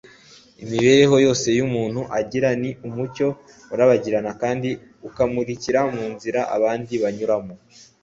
imibereho yose umuntu agira ni umucyo urabagirana kandi ukamurika mu nzira abandi banyuramo